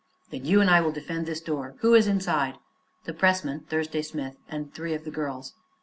"Then you and I will defend this door. Who is inside?" "The pressman Thursday Smith and three of the girls."